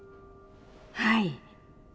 はい。